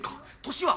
年は？